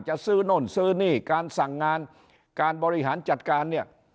จะซื้อโน่นซื้อนี่การสั่งงานการบริหารจัดการเนี่ย